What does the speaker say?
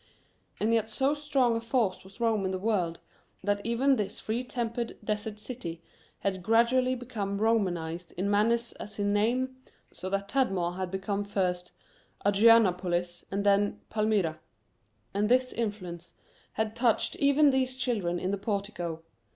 And yet so strong a force was Rome in the world that even this free tempered desert city had gradually become Romanized in manners as in name, so that Tadmor had become first Adrianapolis and then Palmyra. And this influence had touched even these children in the portico.